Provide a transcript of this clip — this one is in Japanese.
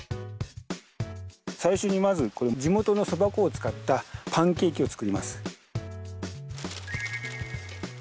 最初にまず地元のそば粉を使ったパンケーキを作ります。